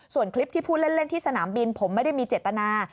ส่วนคลิปที่ผู้เล่นที่สนามบินผมไม่ได้มีเจตนา